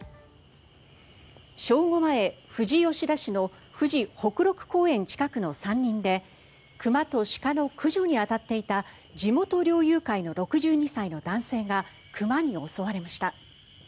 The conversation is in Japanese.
正午前、富士吉田市の富士北麓公園近くの山林で熊と鹿の駆除に当たっていた地元猟友会の６２歳の男性が熊に襲われました。